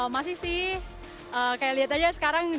masih sih kayak lihat aja sekarang